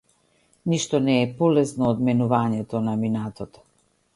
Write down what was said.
Ништо не е полесно од менувањето на минатото.